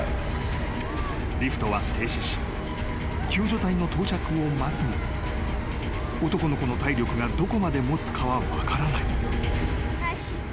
［リフトは停止し救助隊の到着を待つが男の子の体力がどこまで持つかは分からない］